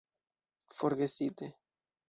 Forgesite...